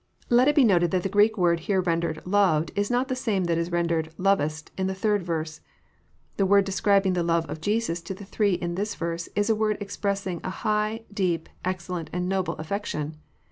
was, CEAF. XI. 241 Let it be noted that the Greek word here rendered " loved, is not the same that is rendered 'Movest," in the Sd verse. The word describing the love of Jesus to the three in this verse is a word expressing a high, deep, excellent, and noble affec tion.